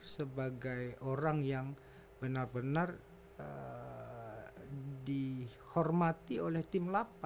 sebagai orang yang benar benar dihormati oleh tim delapan